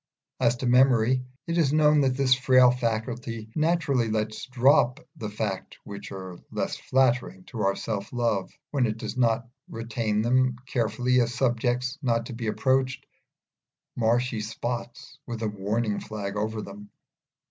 As to memory, it is known that this frail faculty naturally lets drop the facts which are less flattering to our self love when it does not retain them carefully as subjects not to be approached, marshy spots with a warning flag over them.